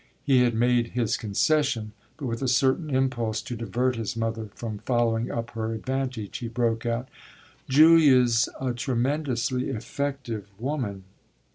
He had made his concession, but, with a certain impulse to divert his mother from following up her advantage, he broke out: "Julia's a tremendously effective woman."